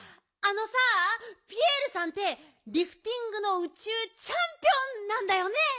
あのさあピエールさんってリフティングの宇宙チャンピオンなんだよね？